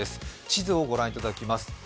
地図を御覧いただきます。